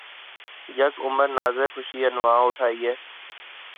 یک عمر نازِ شوخیِ عنواں اٹھایئے